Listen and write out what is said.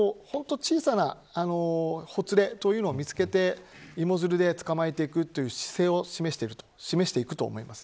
小さなほつれを見つけて芋づるで捕まえていく姿勢を示していくと思います。